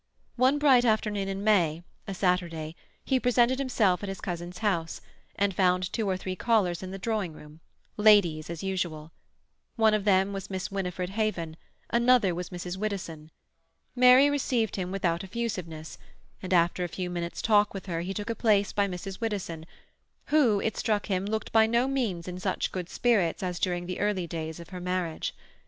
One bright afternoon in May, a Saturday, he presented himself at his cousin's house, and found two or three callers in the drawing room, ladies as usual; one of them was Miss Winifred Haven, another was Mrs. Widdowson. Mary received him without effusiveness, and after a few minutes' talk with her he took a place by Mrs. Widdowson, who, it struck him, looked by no means in such good spirits as during the early days of her marriage.